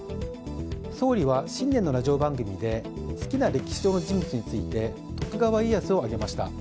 総理は、新年のラジオ番組で好きな歴史上の人物について徳川家康を挙げました。